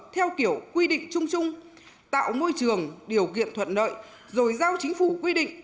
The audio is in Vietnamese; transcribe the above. theo kiểu quy định trung trung tạo môi trường điều kiện thuận lợi rồi giao chính phủ quy định